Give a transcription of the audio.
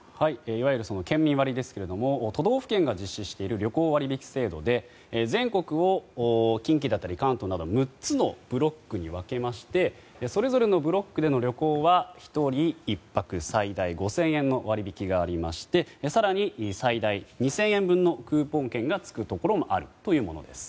いわゆる県民割ですが都道府県が実施している旅行割引制度で全国を近畿だったり関東など６つのブロックに分けましてそれぞれのブロックでの旅行は１人１泊最大５０００円の割引がありまして更に最大２０００円分のクーポン券がつくところもあるというものです。